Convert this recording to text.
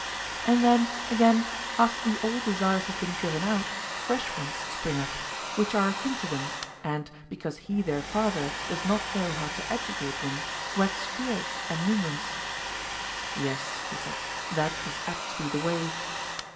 And then, again, after the old desires have been driven out, fresh ones spring up, which are akin to them, and because he their father does not know how to educate them, wax fierce and numerous. Yes, he said, that is apt to be the way.